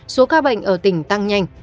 số ca bệnh ở tỉnh tăng nhanh